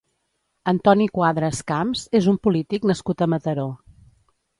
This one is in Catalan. Antoni Cuadras Camps és un polític nascut a Mataró.